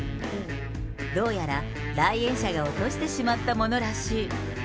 どうやら来園者が落としてしまったものらしい。